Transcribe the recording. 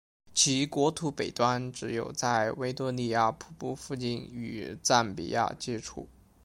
其国土北端只有在维多利亚瀑布附近与赞比亚接触。